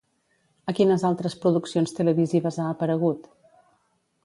A quines altres produccions televisives ha aparegut?